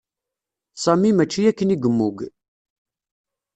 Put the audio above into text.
Sami mačči akken i yemmug.